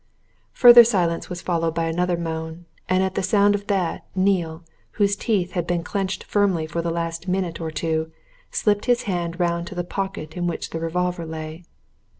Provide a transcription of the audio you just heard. Further silence was followed by another moan, and at the sound of that, Neale, whose teeth had been clenched firmly for the last minute or two, slipped his hand round to the pocket in which the revolver lay.